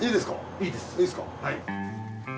いいです。